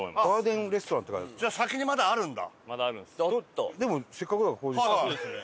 じゃあ先にまだあるんだ。